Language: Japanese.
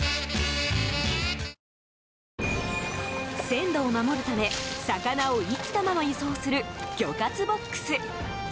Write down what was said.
鮮度を守るため魚を生きたまま輸送する魚活ボックス。